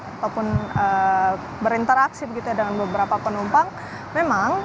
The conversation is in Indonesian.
ataupun berinteraksi begitu dengan beberapa penumpang memang